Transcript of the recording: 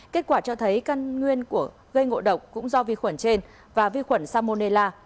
kết quả cho thấy căn nguyên của gây ngộ độc cũng do vi khuẩn trên và vi khuẩn salmonella